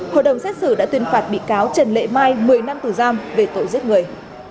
hội đồng xét xử đã tuyên phạt bị cáo trần lệ mai một mươi năm tù giam về tội giết người